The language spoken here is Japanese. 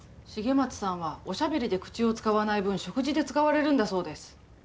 重松さんはおしゃべりで口を使わない分食事で使われるんだそうです。